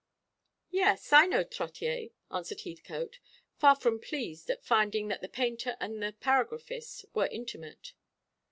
"Yes, I know Trottier," answered Heathcote, far from pleased at finding that the painter and the paragraphist were intimate.